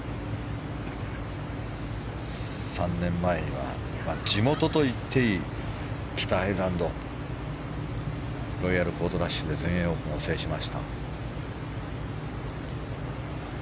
３年前には地元といっていい北アイルランドのロイヤルポートラッシュで全英オープンを制しました。